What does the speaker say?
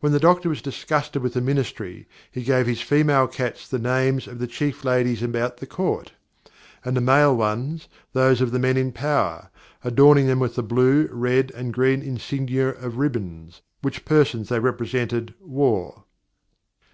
When the Doctor was disgusted with the Ministry, he gave his Female Cats, the Names of the Chief Ladies about the Court; and the Male ones, those of the Men in Power, adorning them with the Blue, Red, or Green Insignia of Ribbons, which the Persons they represented, wore."